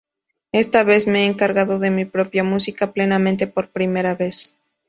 Esta vez me he encargado de mi propia música plenamente por primera vez.